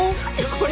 これ。